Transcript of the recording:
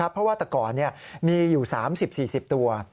เพราะตะกอดเนี่ยมีอยู่๓๐๔๐ตัว